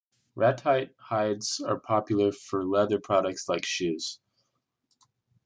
Ratite hides are popular for leather products like shoes.